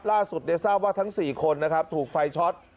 ล่าสุดทราบว่าทั้ง๔คนนะครับถูกไฟช็อต